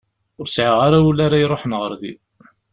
Ur sεiɣ ara ul ara iruḥen ɣer din.